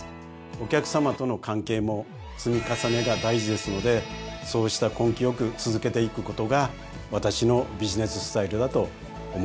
お客さまとの関係も積み重ねが大事ですのでそうした根気よく続けていくことが私のビジネススタイルだと思っています。